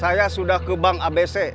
saya sudah ke bank abc